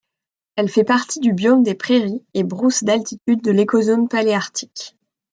Elle fait partie du biome des prairies et brousses d'altitude de l'écozone paléarctique.